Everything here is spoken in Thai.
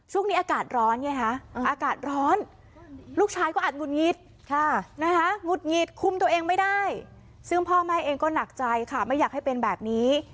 ช่วงนี้อากาศร้อนเนี่ยค่ะอากาศร้อน